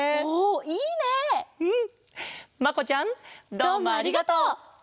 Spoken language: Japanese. どうもありがとう！